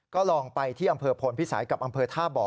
ก็ลองไปที่อำเภอพลพิสัยกับอำเภอท่าบ่อ